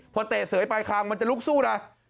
พอเตะเสยปลายคางมันจะลุกสู้นะ